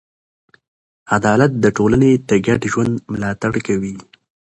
عدالت د ټولنې د ګډ ژوند ملاتړ کوي.